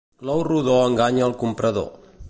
L'ou rodó enganya al comprador.